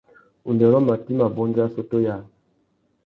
Undêrô matê i mà bôndia assôtô yâā.